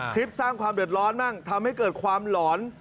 คลิปสร้างความเดิดร้อนนั่งทำให้เกิดความหลอน